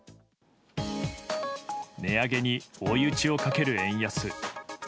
値上げに追い打ちをかける円安。